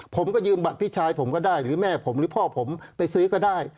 ผมก็ยืมบัตรพี่ชายผมก็ได้หรือแม่ผมหรือพ่อผมไปซื้อก็ได้